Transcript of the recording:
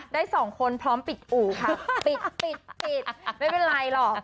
ได้สองคนพร้อมปิดอู่ค่ะปิดปิดไม่เป็นไรหรอก